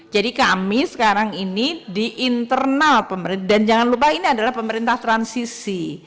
jadi kami sekarang ini di internal pemerintah dan jangan lupa ini adalah pemerintah transisi